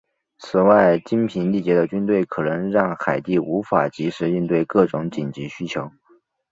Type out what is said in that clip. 此外精疲力竭的军队可能让海地无法即时应付各种紧急需求。